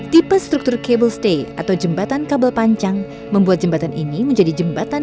tipe struktur kabel stay atau jembatan kabel pancang membuat jembatan ini menjadi jembatan